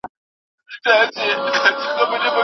د عاید وېش څرنګوالی ډېر مهم دی.